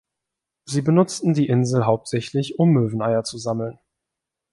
Sie benutzten die Insel hauptsächlich, um Möweneier zu sammeln.